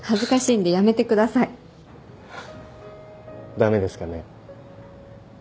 駄目ですかね？